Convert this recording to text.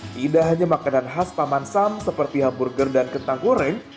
tidak hanya makanan khas paman sam seperti hamburger dan kentang goreng